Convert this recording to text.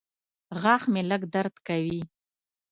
غاښ مې لږ درد کوي.